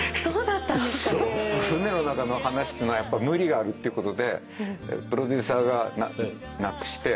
船の中の話っつうのはやっぱり無理があるっていうことでプロデューサーがなくして。